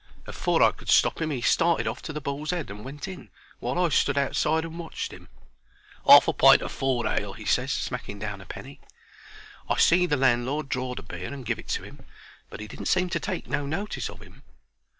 Afore I could stop 'im he started off to the Bull's Head and went in, while I stood outside and watched 'im. "'Arf a pint o' four ale," he ses, smacking down a penny. I see the landlord draw the beer and give it to 'im, but 'e didn't seem to take no notice of 'im.